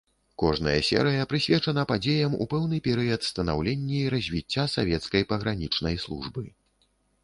Кожная серыя прысвечана падзеям у пэўны перыяд станаўлення і развіцця савецкай пагранічнай службы.